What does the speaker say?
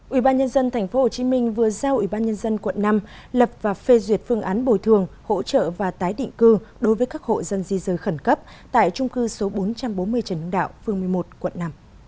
ủy ban nhân dân tp hcm vừa giao ủy ban nhân dân quận năm lập và phê duyệt phương án bồi thường hỗ trợ và tái định cư đối với các hộ dân di rời khẩn cấp tại trung cư số bốn trăm bốn mươi trần hưng đạo phương một mươi một quận năm